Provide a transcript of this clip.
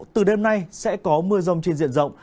từ đêm nay sẽ có mưa rông trên diện rộng